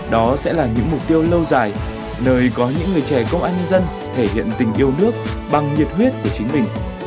đó sẽ là những mục tiêu lâu dài nơi có những người trẻ công an nhân dân thể hiện tình yêu nước bằng nhiệt huyết của chính mình